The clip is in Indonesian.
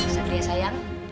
satu ya sayang